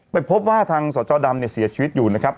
ไปพบว่าทางสจดำเนี่ยเสียชีวิตอยู่นะครับ